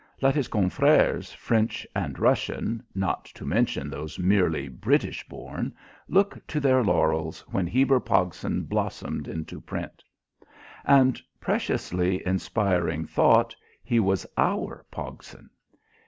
Let his confreres, French and Russian not to mention those merely British born look to their laurels, when Heber Pogson blossomed into print! And preciously inspiring thought he was our Pogson.